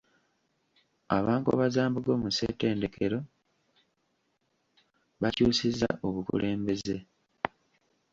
Aba Nkobazambogo mu ssentedekero bakyusizza obukulembeze.